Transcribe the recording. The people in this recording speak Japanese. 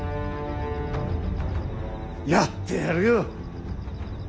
やってやるよ。